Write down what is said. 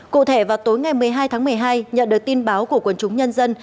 cụ thể vào tối ngày một mươi hai tháng một mươi hai nhận được tin báo của quần chúng nhân dân